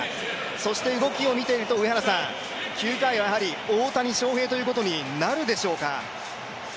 そして動きを見ていると、９回はやはり大谷翔平ということになるでしょうか。